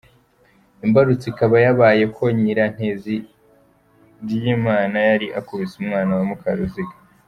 Imbarutso ikaba yabaye ko Nyiranteziryimana yari akubise umwana wa Mukaruziga.